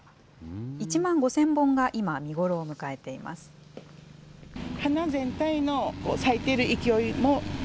１万５０００本が今、見頃を迎えています。